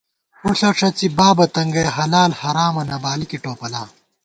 پُݪہ ݭڅی، بابہ تنگئ، حلال حرام نہ بالِکےٹوپلا